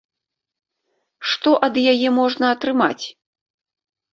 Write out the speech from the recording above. Што ад яе можна атрымаць?